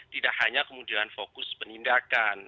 tidak hanya kemudian fokus penindakan